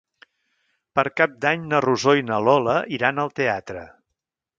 Per Cap d'Any na Rosó i na Lola iran al teatre.